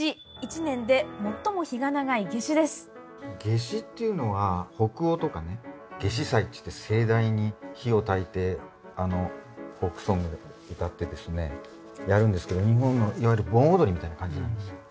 夏至っていうのは北欧とかね夏至祭っていって盛大に火をたいてフォークソングでも歌ってですねやるんですけど日本のいわゆる盆踊りみたいな感じなんですよ。